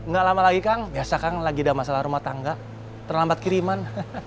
gak lama lagi kang biasa kan lagi ada masalah rumah tangga terlambat kiriman